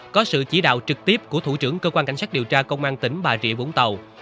có sự chỉ đạo trực tiếp của thủ trưởng cơ quan cảnh sát điều tra công an tỉnh bà rịa vũng tàu